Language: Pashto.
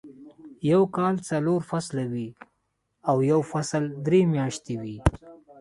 يو کال څلور فصله وي او يو فصل درې میاشتې وي.